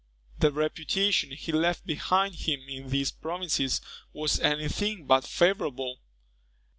The reputation he left behind him in these provinces was any thing but favourable.